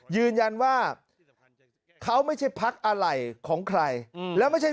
ยืนยันว่าเขาไม่ใช่พักอะไรของใครแล้วไม่ใช่